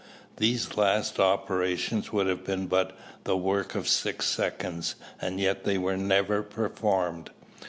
These last operations would have been but the work of six seconds, and yet they were never performed.